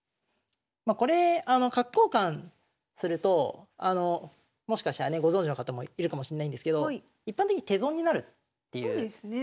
これ角交換するともしかしたらねご存じの方もいるかもしれないんですけど一般的に手損になるそうですね。